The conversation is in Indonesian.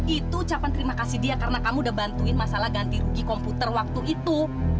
itu ucapan terima kasih dia karena kamu udah bantuin masalah ganti rugi komputer waktu itu